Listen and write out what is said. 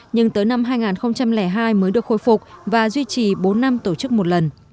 nhưng tới năm hai nghìn hai mới được khôi phục và duy trì bốn năm tổ chức một lần